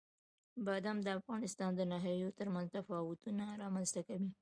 بادام د افغانستان د ناحیو ترمنځ تفاوتونه رامنځته کوي.